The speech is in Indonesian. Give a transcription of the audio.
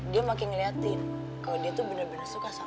dia makin ngeliatin kalau dia tuh bener bener suka sama